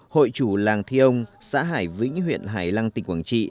hội chủ làng thi ông xã hải vĩnh huyện hải lăng tỉnh quảng trị